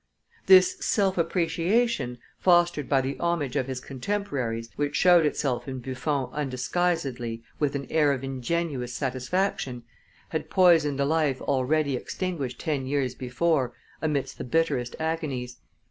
This self appreciation, fostered by the homage of his contemporaries, which showed itself in Buffon undisguisedly with an air of ingenuous satisfaction, had poisoned a life already extinguished ten years before amidst the bitterest agonies.